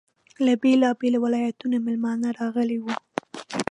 له بېلابېلو ولایتونو میلمانه راغلي وو.